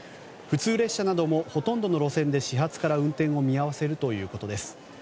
普通列車などもほとんどの路線で始発から運転を見合わせるということです。